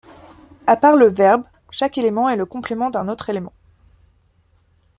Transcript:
À part le verbe, chaque élément est le complément d'un autre élément.